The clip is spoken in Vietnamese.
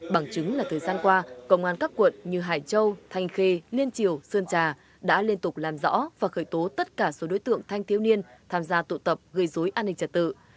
bằng chứng là thời gian qua công an các quận như hải châu thanh khê liên triều sơn trà đã liên tục làm rõ và khởi tố tất cả số đối tượng thanh thiếu niên tham gia tụ tập gây dối an ninh trật tự